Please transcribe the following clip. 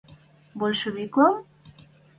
– Большевиквлӓм?